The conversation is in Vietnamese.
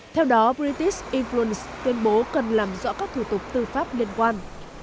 theo đó british influence tuyên bố cần làm rõ các thủ tục tư pháp liên quan